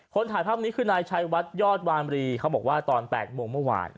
ถ่ายภาพนี้คือนายชัยวัดยอดวามรีเขาบอกว่าตอน๘โมงเมื่อวาน